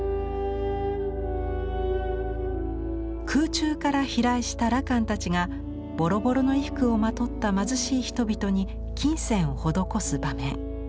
空中から飛来した羅漢たちがボロボロの衣服をまとった貧しい人々に金銭を施す場面。